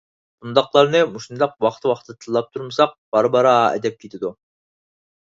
بۇنداقلارنى مۇشۇنداق ۋاقتى-ۋاقتىدا تىللاپ تۇرمىساق، بارا-بارا ئەدەپ كېتىدۇ.